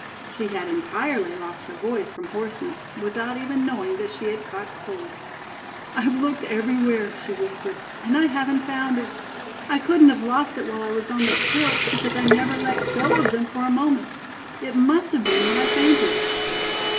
She had entirely lost her voice from hoarseness, without even knowing that she had caught cold. "I've looked everywhere," she whispered, "and I haven't found it. I couldn't have lost it while I was on the stilts, because I never let go of them for a moment. It must have been when I fainted."